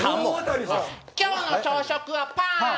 今日の朝食はパン。